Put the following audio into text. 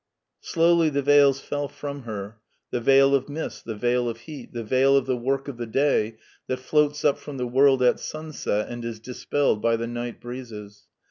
Slowly the veils fell from her — ^e veil of mist, the veil of heat, the veil of the work of the day that floats up from the world at sun set and is dispelled by the night breezes.